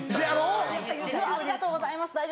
「ありがとうございます！